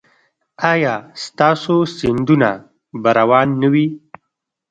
ایا ستاسو سیندونه به روان نه وي؟